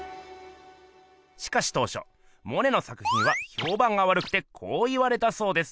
しかし当しょモネの作品はひょうばんがわるくてこう言われたそうです。